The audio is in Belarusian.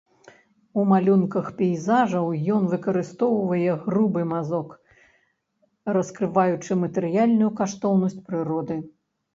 У малюнках пейзажаў ён выкарыстоўвае грубы мазок, раскрываючы матэрыяльную каштоўнасць прыроды.